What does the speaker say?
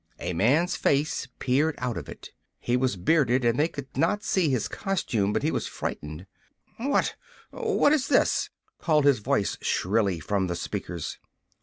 A man's face peered out of it. He was bearded and they could not see his costume, but he was frightened. "What what is this?" cried his voice shrilly from the speakers.